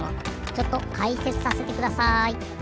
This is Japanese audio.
ちょっとかいせつさせてください。